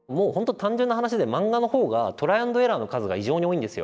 単純な話で漫画のほうがトライアンドエラーの数が異常に多いんですよ。